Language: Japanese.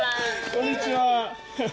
こんにちは。